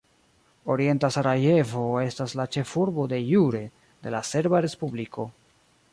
Orienta Sarajevo estas la ĉefurbo "de jure" de la Serba Respubliko.